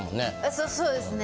そそうですね。